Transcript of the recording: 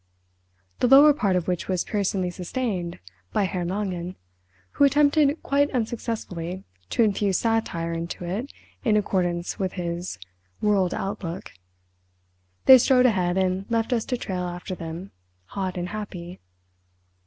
—the lower part of which was piercingly sustained by Herr Langen, who attempted quite unsuccessfully to infuse satire into it in accordance with his—"world outlook". They strode ahead and left us to trail after them—hot and happy.